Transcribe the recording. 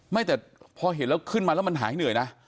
ไม่แต่พอเห็นแล้วขึ้นมาแล้วมันหายเหนื่อยนะ